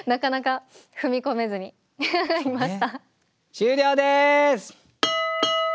終了です！